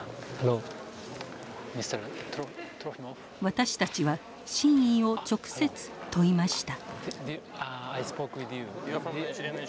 私たちは真意を直接問いました。